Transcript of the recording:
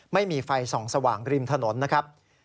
ไม่มีไฟส่องสว่างริมถนนนะครับ